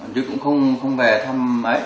chứ cũng không về thăm